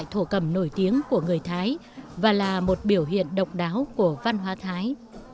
nó là một loại thổ cầm nổi tiếng của người thái và là một biểu hiện độc đáo của văn hoa thái